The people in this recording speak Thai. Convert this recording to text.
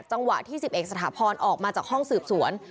จังหวะที่๑๑สถาพรออกมาจากห้องสืบสวน